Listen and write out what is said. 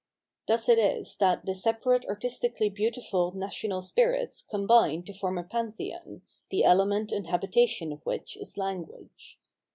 * Thus it is that the separate artistically beau tiful national spirits combine to form a Pantheon, the element and habitation of which is Language.